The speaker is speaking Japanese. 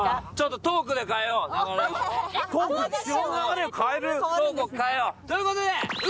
トークを変えようということで。